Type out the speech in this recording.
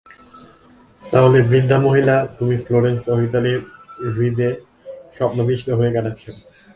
তাহলে বৃদ্ধা মহিলা, তুমি ফ্লোরেন্স ও ইতালীর হ্রদে স্বপ্নাবিষ্ট হয়ে কাটাচ্ছ।